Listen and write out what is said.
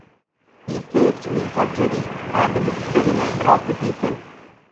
He faced knee surgery and missed the remainder of the season.